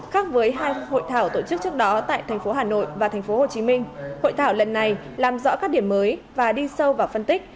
khác với hai hội thảo tổ chức trước đó tại thành phố hà nội và thành phố hồ chí minh hội thảo lần này làm rõ các điểm mới và đi sâu vào phân tích